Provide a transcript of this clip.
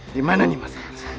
dimananya mas rara santang